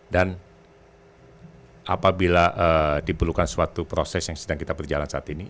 dan apabila diperlukan suatu proses yang sedang kita berjalan saat ini